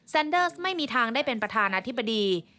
เดอร์สไม่มีทางได้เป็นประธานาธิบดี